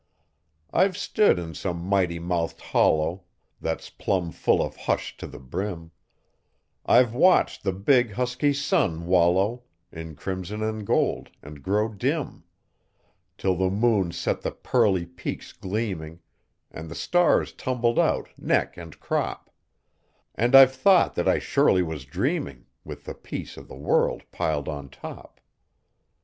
I've stood in some mighty mouthed hollow That's plumb full of hush to the brim; I've watched the big, husky sun wallow In crimson and gold, and grow dim, Till the moon set the pearly peaks gleaming, And the stars tumbled out, neck and crop; And I've thought that I surely was dreaming, With the peace o' the world piled on top.